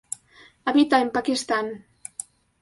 Habita en Pakistán.